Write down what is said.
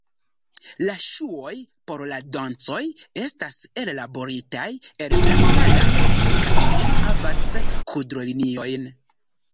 La ŝuoj por la dancoj estas ellaboritaj el blanka lano kaj ne havas kudroliniojn.